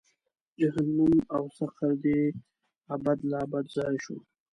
جهنم او سقر دې ابد لا ابد ځای شو.